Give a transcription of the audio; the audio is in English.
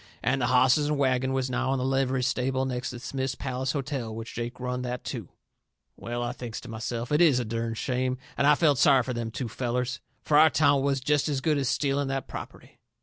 And the hosses and wagon was now in the livery stable next to Smith's Palace Hotel, which Jake run that too. Well, I thinks to myself, it IS a dern shame, and I felt sorry fur them two fellers. Fur our town was jest as good as stealing that property.